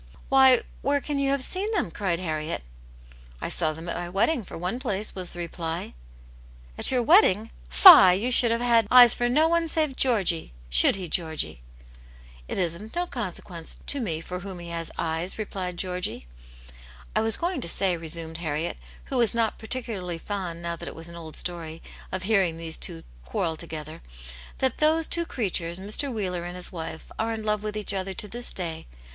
"Why, where can you have seen them?" cried Harriet. " I saw them at my wedding, for one place," was the reply. "At your wedding? Fie, you should have had eyes for no one save Georgy. Should he, Georgy?" " It is of no consequence to me for whom he has eyes," replied Georgy. " I was going to say," resumed Harriet, who was not particularly fond, now that it was an old story, of hearing these two quarrel together, "that those two creatures, Mr. Wheeler and his wife, are in love with each other to this day.